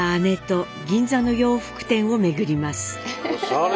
おしゃれ！